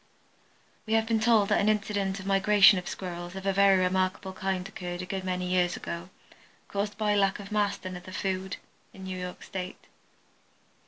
We have been told that an incident of migration of Squirrels of a very remarkable kind occurred a good many years ago, caused by lack of mast and other food, in New York State.